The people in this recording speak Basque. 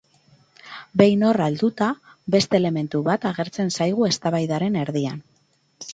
Behin horra helduta, beste elementu bat agertzen zaigu eztabaidaren erdian.